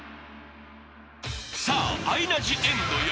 ［さあアイナ・ジ・エンドよ］